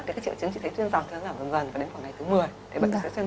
thì các triệu chứng chị thấy chuyên giảm dần dần